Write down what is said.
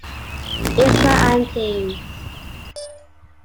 It's my auntie's.